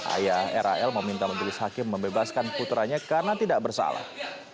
ayah ral meminta menteri sakim membebaskan puteranya karena tidak bersalah